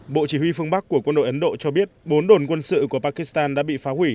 bộ chỉ huy phương bắc của quân đội ấn độ cho biết bốn đồn quân sự của pakistan đã bị phá hủy